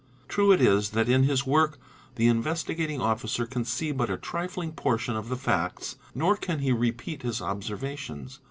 True it is that in his work the Investigating Officer can see but a trifling portion of the facts nor can he repeat his observations.